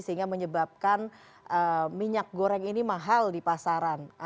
sehingga menyebabkan minyak goreng ini mahal di pasaran